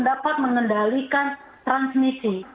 bisa mengendalikan transmisi